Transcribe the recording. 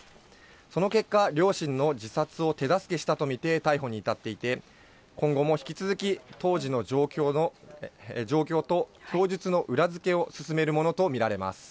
その結果、両親の自殺を手助けしたと見て逮捕に至っていて、今後も引き続き、当時の状況と供述の裏付けを進めるものと見られます。